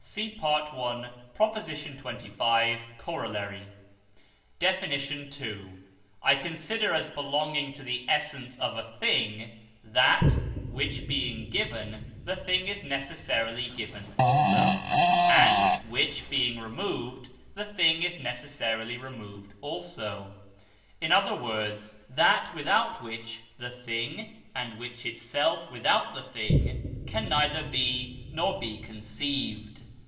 (See Pt. i., Prop. xxv., Coroll.) DEFINITION II. I consider as belonging to the essence of a thing that, which being given, the thing is necessarily given also, and, which being removed, the thing is necessarily removed also; in other words, that without which the thing, and which itself without the thing, can neither be nor be conceived.